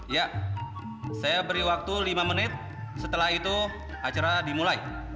ya saya beri waktu lima menit setelah itu acara dimulai